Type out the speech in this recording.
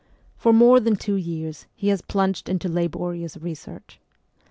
For more than two years he has plunged into laborious research.